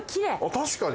確かに！